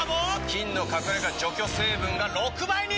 菌の隠れ家除去成分が６倍に！